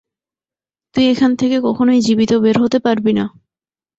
তুই এখান থেকে কখনোই জীবিত বের হতে পারবি না।